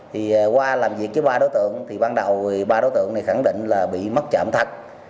thì qua làm việc với ba đối tượng thì ban đầu ba đối tượng này khẳng định là bị mất trộm thật